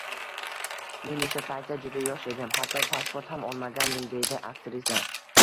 Men o‘sha paytda juda yosh edim, hatto pasport ham olmagandim, — deydi aktrisa